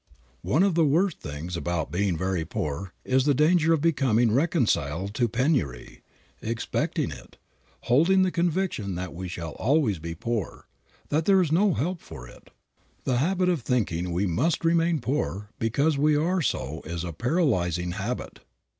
One of the worst things about being very poor is the danger of becoming reconciled to penury, expecting it, holding the conviction that we shall always be poor, that there is no help for it. The habit of thinking we must remain poor because we are so is a paralyzing habit.